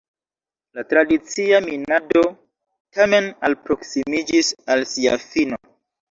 La tradicia minado tamen alproksimiĝis al sia fino.